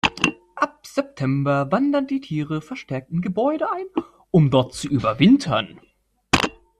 Ab September wandern die Tiere verstärkt in Gebäude ein, um dort zu überwintern.